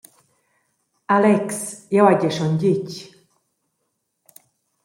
Alex, hai jeu gie schon detg.